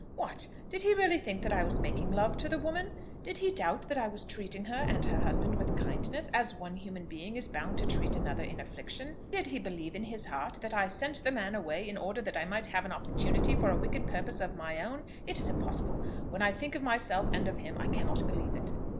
What! did he really think that I was making love to the woman; did he doubt that I was treating her and her husband with kindness, as one human being is bound to treat another in affliction; did he believe, in his heart, that I sent the man away in order that I might have an opportunity for a wicked purpose of my own? It is impossible. When I think of myself and of him, I cannot believe it.